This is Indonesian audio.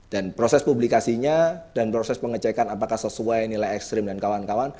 dan proses publikasinya dan proses pengecekan apakah sesuai nilai ekstrim dan kawan kawan